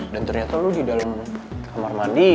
dan ternyata lo didalem kamar mandi